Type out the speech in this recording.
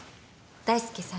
大介さん